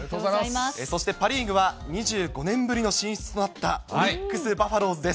そしてパ・リーグは、２５年ぶりの進出となったオリックスバファローズです。